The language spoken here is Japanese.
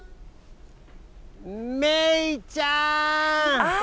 メイちゃーん！